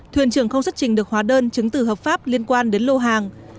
thuyền trưởng không xuất trình được hóa đơn chứng từ hợp pháp liên quan đến lô hàng